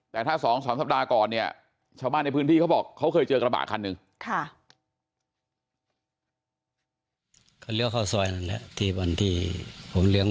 แต่ถ้า๒๓สัปดาห์ก่อนเนี่ยชาวบ้านในพื้นที่เขาบอกเขาเคยเจอกระบะคันหนึ่ง